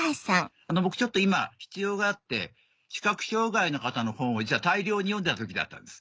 僕ちょっと今必要があって視覚障がいの方の本を大量に読んでた時だったんです。